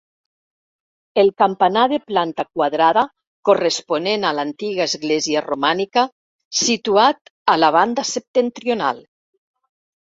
El campanar de planta quadrada corresponent a l'antiga església romànica, situat a la banda septentrional.